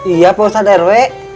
iya pak ustadz rw